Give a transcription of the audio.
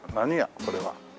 これは。